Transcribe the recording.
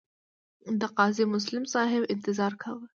د قاضي مسلم صاحب انتظار کاوه.